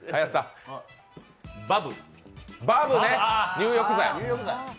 入浴剤。